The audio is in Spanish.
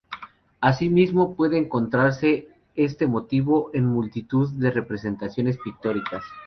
Así mismo, puede encontrarse este motivo en multitud de representaciones pictóricas.